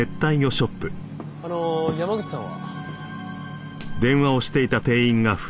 あの山口さんは？